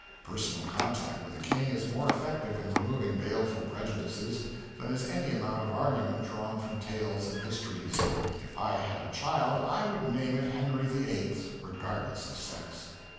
Personal contact with a king is more effective in removing baleful prejudices than is any amount of argument drawn from tales and histories. If I had a child I would name it Henry the Eighth, regardless of sex.